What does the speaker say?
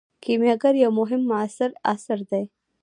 کیمیاګر یو مهم معاصر اثر دی.